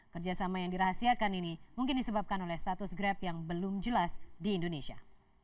kerjasama yang dirahasiakan ini mungkin disebabkan oleh status grab yang belum jelas di indonesia